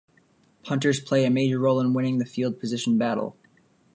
Punters play a major role in winning the field position battle.